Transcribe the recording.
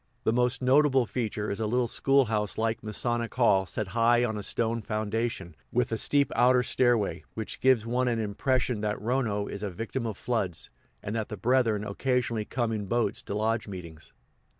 The most notable feature is a little school house like Masonic hall set high on a stone foundation, with a steep outer stairway which gives one an impression that Rono is a victim of floods, and that the brethren occasionally come in boats to lodge meetings.